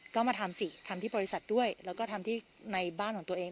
ก็มาทำสิทำที่บริษัทด้วยแล้วก็ทำที่ในบ้านของตัวเอง